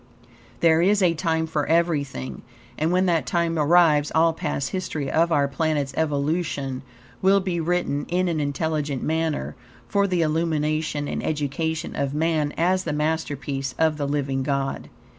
There is a time for everything, and when that time arrives all past history of our planet's evolution will be written in an intelligent manner for the illumination and education of man as the masterpiece of the Living God.